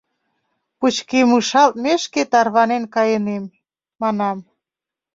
— Пычкемышалтмешке тарванен кайынем, — манам.